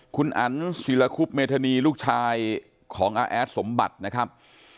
คุณอันศิลคุบเมธานีลูกชายของอาแอดสมบัตินะครับ